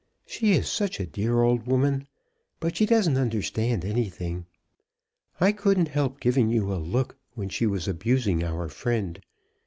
"She is such a dear old woman, but she doesn't understand anything. I couldn't help giving you a look when she was abusing our friend.